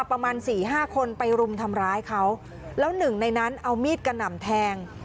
ประมาณสี่ห้าคนไปรุมทำร้ายเขาแล้วหนึ่งในนั้นเอามีดกระหน่ำแทง